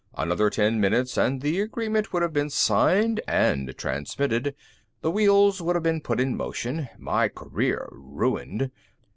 Another ten minutes and the agreement would have been signed and transmitted. The wheels would have been put in motion. My career ruined...."